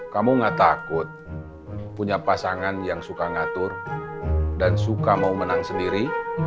kamu gak takut punya pasangan yang suka ngatur dan suka mau menang sendiri